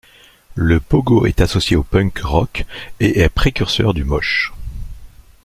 Le pogo est associé au punk rock et est précurseur du mosh.